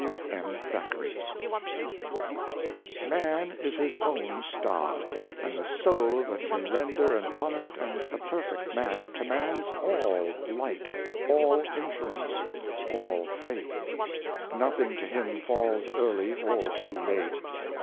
— W. M. Thackeray " Man is his own star, and the soul that can Render an honest and a perfect man Commands all light, all influence, all fate; Nothing to him falls early or too late.